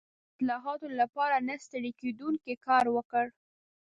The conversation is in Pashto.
د اصلاحاتو لپاره نه ستړی کېدونکی کار وکړ.